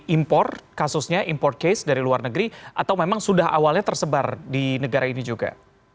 impor kasusnya import case dari luar negeri atau memang sudah awalnya tersebar di negara ini juga